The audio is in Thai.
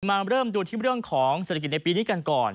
มาเริ่มดูที่เรื่องของเศรษฐกิจในปีนี้กันก่อน